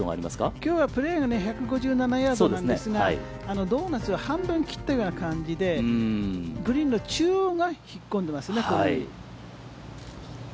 きょうはプレーが１５７ヤードなんですが、半分切ったような感じでグリーンの中央が引っ込んでいますね。